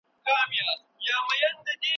ایا اقتصادي پرمختیا د خلګو ژوند ښه کولای سي؟